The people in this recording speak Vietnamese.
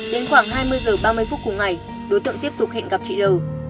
đến khoảng hai mươi h ba mươi phút cùng ngày đối tượng tiếp tục hẹn gặp chị l